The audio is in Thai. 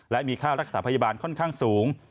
และมีค่ารักษาพยาบาลค่อนข้างสูง